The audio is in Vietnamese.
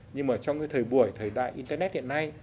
nhưng mà trong cái thời buổi thời đại internet hiện nay